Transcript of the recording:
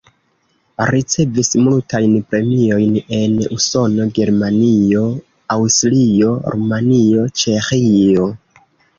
Ricevis multajn premiojn en Usono, Germanio, Aŭstrio, Rumanio, Ĉeĥio.